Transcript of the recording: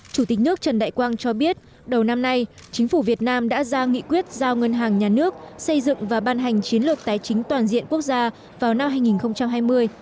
chủ tịch nước trần đại quang cho biết đầu năm nay chính phủ việt nam đã ra nghị quyết giao ngân hàng nhà nước xây dựng và ban hành chiến lược tài chính toàn diện quốc gia vào năm hai nghìn hai mươi